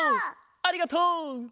ありがとう！